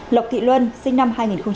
lộc thị luân sinh năm hai nghìn một